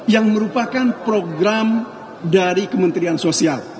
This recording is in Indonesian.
yang merupakan program dari kementerian sosial